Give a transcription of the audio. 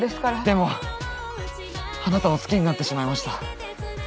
でもあなたを好きになってしまいました。